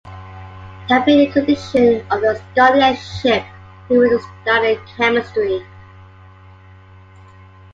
It had been a condition of the scholarship that he would study chemistry.